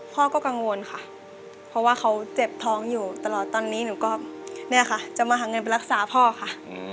พ่อก็กังวลค่ะเพราะว่าเขาเจ็บท้องอยู่ตลอดตอนนี้หนูก็เนี่ยค่ะจะมาหาเงินไปรักษาพ่อค่ะ